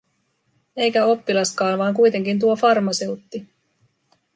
Eikä oppilaskaan, vaan kuitenkin tuo farmaseutti.